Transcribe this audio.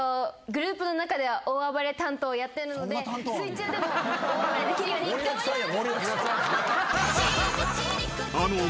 グループの中では大暴れ担当やってるので水中でも大暴れできるように頑張ります。